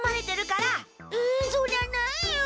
えそりゃないよ！